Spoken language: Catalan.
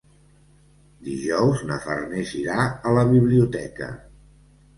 Dijous na Farners irà a la biblioteca.